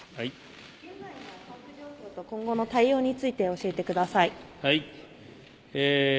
今後の対応について教えてください。